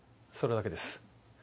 それだけです。